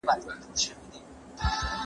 چرګې په پټي کې نه دي.